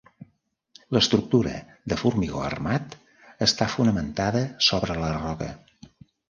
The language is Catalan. L'estructura, de formigó armat, està fonamentada sobre la roca.